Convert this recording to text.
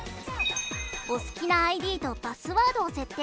お好きなＩＤとパスワードを設定。